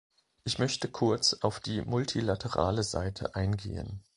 Ich möchte kurz auf die multilaterale Seite eingehen.